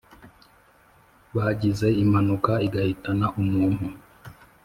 bagize impanuka igahitana umuntu